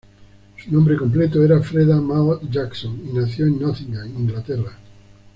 Su nombre completo era Freda Maud Jackson y nació en Nottingham, Inglaterra.